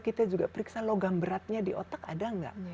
kita juga periksa logam beratnya di otak ada nggak